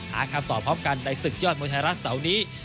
หาคำตอบพร้อมกันในศึกยอดมวยไทยรัฐเสาร์นี้